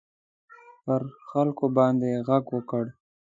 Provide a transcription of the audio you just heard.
پر خلکو باندي ږغ وکړ.